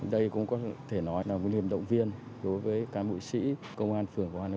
đây cũng có thể nói là một niềm động viên đối với cán bộ chiến sĩ công an phường quảng an